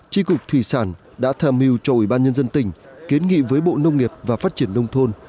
tri cục thủy sản đã tham mưu cho ủy ban nhân dân tỉnh kiến nghị với bộ nông nghiệp và phát triển nông thôn